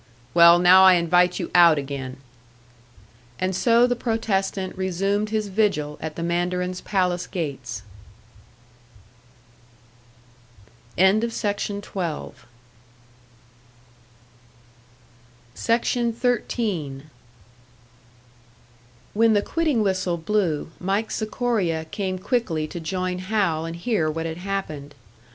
"Well, now I invite you out again." And so the protestant resumed his vigil at the mandarin's palace gates. SECTION 13. When the quitting whistle blew, Mike Sikoria came quickly to join Hal and hear what had happened.